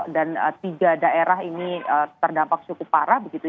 dan tiga daerah ini terdampak cukup parah